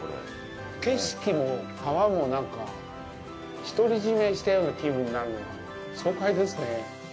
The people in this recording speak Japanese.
景色も川も、なんか独り占めしたような気分になるのが爽快ですね。